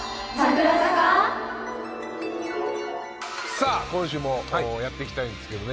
さぁ今週もやっていきたいんですけどね